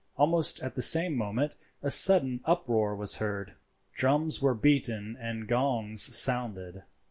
Almost at the same moment a sudden uproar was heard—drums were beaten and gongs sounded.